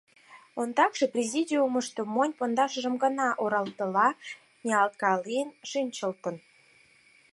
Ондакше президиумышто монь пондашыжым гына орадыла ниялткален шинчылтын.